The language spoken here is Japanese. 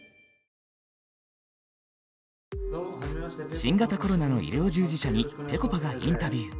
新型コロナの医療従事者にぺこぱがインタビュー。